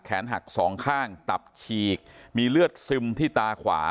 หักสองข้างตับฉีกมีเลือดซึมที่ตาขวา